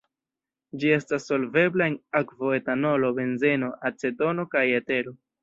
Ĝi estas solvebla en akvo, etanolo, benzeno, acetono kaj etero.